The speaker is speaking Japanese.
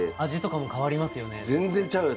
全然ちゃうよ。